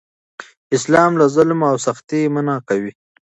اسلام له ظلم او سختۍ منع کوي.